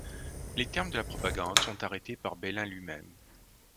Les termes de la propagande sont arrêtés par Belin lui-même.